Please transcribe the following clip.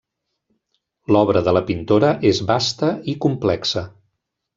L'obra de la pintora és vasta i complexa.